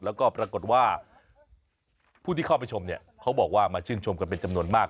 แล้วก็ปรากฏว่าผู้ที่เข้าไปชมเนี่ยเขาบอกว่ามาชื่นชมกันเป็นจำนวนมาก